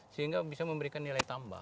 sehingga bisa memberikan nilai tambah